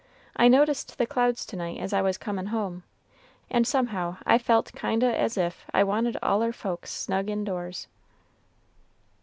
"I noticed the clouds to night as I was comin' home, and somehow I felt kind o' as if I wanted all our folks snug in doors."